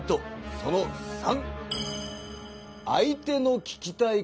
その３。